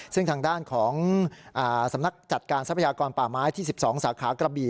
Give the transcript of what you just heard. ซึ่งทางด้านของสำนักจัดการทรัพยากรป่าไม้ที่๑๒สาขากระบี่